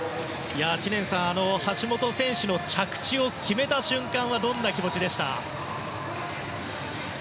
知念さん橋本選手が着地を決めた瞬間はどんな気持ちでした？